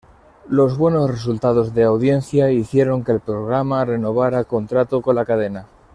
Los buenos resultados de audiencia hicieron que el programa renovara contrato con la cadena.